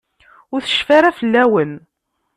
Ur tecfi ara fell-awen.